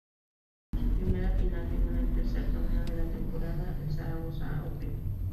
Su primera final llegó en el tercer torneo de la temporada, el Zaragoza Open.